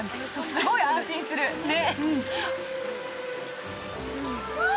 すごい安心するね。